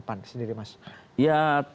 pan sendiri mas ya